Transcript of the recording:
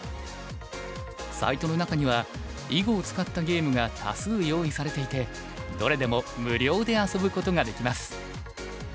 サイトの中には囲碁を使ったゲームが多数用意されていてどれでも無料で遊ぶことができます。